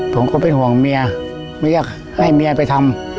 ผมก็เป็นห่วงเมียไม่อยากให้เมียไปทำ